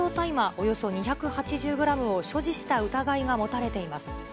およそ２８０グラムを所持した疑いが持たれています。